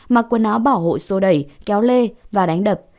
mặc quần áo bảo hộ sô đẩy kéo lê và đánh đập